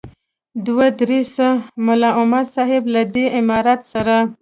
دوه دې سه ملا عمر صاحب له دې امارت سره.